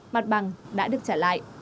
mặt bằng đã được trả lại